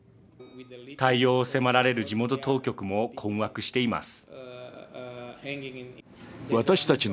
対応を迫られる地元当局も困惑しています。